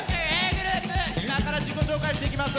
ｇｒｏｕｐ今から自己紹介していきます。